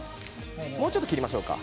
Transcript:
もうちょっと切りましょうか。